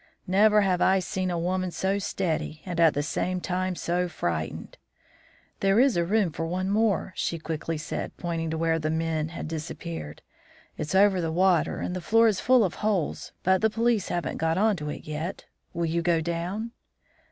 Never have I seen a woman so steady and at the same time so frightened. "'There is room for one more,' she quickly said, pointing to where the men had disappeared. 'It's over the water, and the floor is full of holes, but the police haven't got on to it yet. Will you go down?'